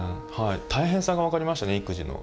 大変さが分かりましたね育児の。